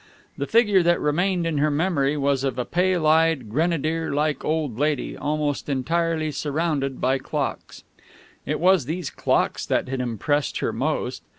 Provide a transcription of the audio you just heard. The figure that remained in her memory was of a pale eyed, grenadier like old lady, almost entirely surrounded by clocks. It was these clocks that had impressed her most.